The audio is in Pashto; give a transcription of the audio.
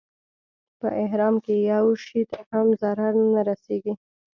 په احرام کې یو شي ته هم ضرر نه رسېږي.